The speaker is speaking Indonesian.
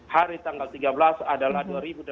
hari tanggal tiga belas adalah